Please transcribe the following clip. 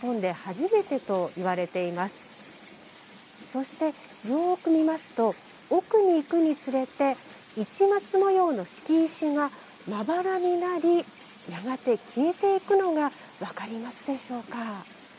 そしてよく見ますと奥に行くにつれて市松模様の敷石がまばらになりやがて消えていくのが分かりますでしょうか。